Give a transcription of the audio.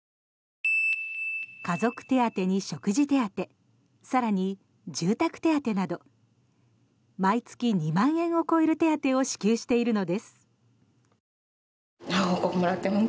家族手当に食事手当更に、住宅手当など毎月２万円を超える手当を支給しているのです。